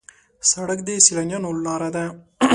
سړک د سیلانیانو لاره ده.